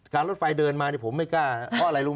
เขาเขี้ยวเขายาวมาก